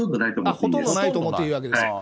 ほとんどないと思っていいわけですね。